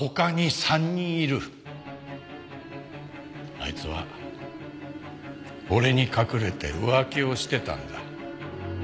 あいつは俺に隠れて浮気をしてたんだ。